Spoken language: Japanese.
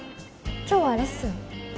今日はレッスン？